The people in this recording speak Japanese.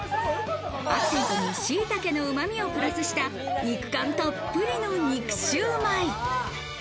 アクセントに、しいたけのうまみをプラスした肉感たっぷりの「肉シュウマイ」。